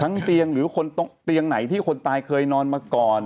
เตียงหรือคนเตียงไหนที่คนตายเคยนอนมาก่อน